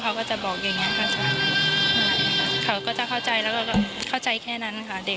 เขาก็จะบอกอย่างนี้ค่ะเขาก็จะเข้าใจแล้วก็เข้าใจแค่นั้นค่ะเด็ก